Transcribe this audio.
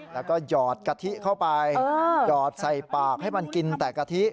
แล้วก็หยอดกะทิเข้าไปหยอดใส่ปากให้มันกินแต่กะทิ